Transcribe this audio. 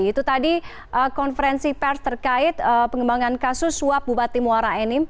itu tadi konferensi pers terkait pengembangan kasus suap bupati muara enim